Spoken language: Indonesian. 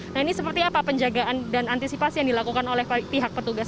nah ini seperti apa penjagaan dan antisipasi yang dilakukan oleh pihak petugas